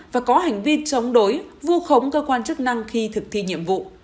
và có hành vi chống đối vu khống cơ quan chức năng khi thực thi nhiệm vụ